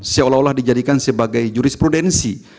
seolah olah dijadikan sebagai jurisprudensi